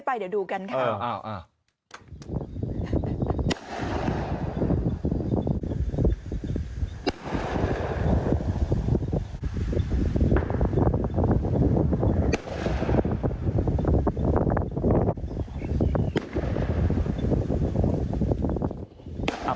พี่ทำยังไงฮะ